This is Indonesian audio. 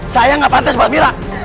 saya nggak pantas buat mirah